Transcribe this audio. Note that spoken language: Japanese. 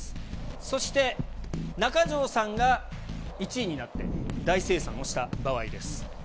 そして、中条さんが１位になって大精算をした場合です。